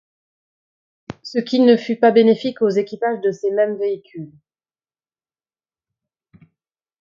Ce qui ne fut pas bénéfique aux équipages de ces mêmes véhicules.